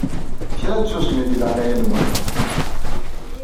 Kra n tsusmi di leɛnaya-nwen!